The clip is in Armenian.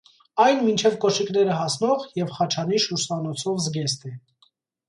Այն մինչև կոշիկները հասնող և խաչանիշ ուսանոցով զգեստ է։